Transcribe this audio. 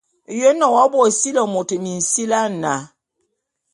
Ye nne w'abo ô sili'i môt minsili ana?